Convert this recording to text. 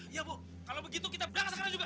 iya bu kalau begitu kita berangkat sekarang juga